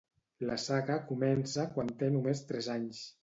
La saga comença quan té només tres anys.